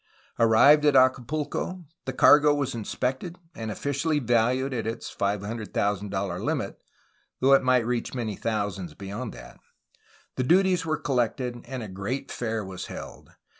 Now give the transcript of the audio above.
Arrived at Acapulco the cargo was inspected and officially valued at its $500,000 limit (though it might reach many thousands be yond that), the duties were collected, and a great fair was held.